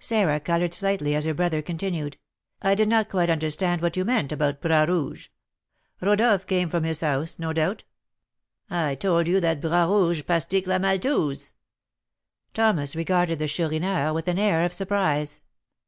Sarah coloured slightly as her brother continued, "I did not quite understand what you meant about Bras Rouge. Rodolph came from his house, no doubt?" "I told you that Bras Rouge pastique la maltouze." Thomas regarded the Chourineur with an air of surprise.